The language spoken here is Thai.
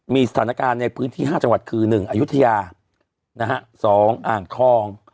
มีสถานการณ์ในพื้นที่๕จังหวัดคือ๑อายุทยา๒อ่างทอง